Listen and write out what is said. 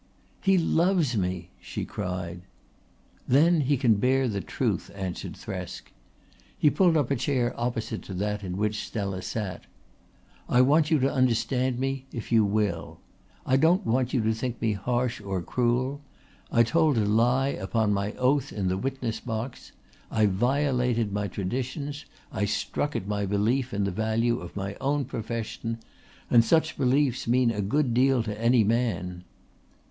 "He loves me," she cried. "Then he can bear the truth," answered Thresk. He pulled up a chair opposite to that in which Stella sat. "I want you to understand me, if you will. I don't want you to think me harsh or cruel. I told a lie upon my oath in the witness box. I violated my traditions, I struck at my belief in the value of my own profession, and such beliefs mean a good deal to any man."